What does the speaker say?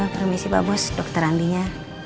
permisi pak bos dokter andinya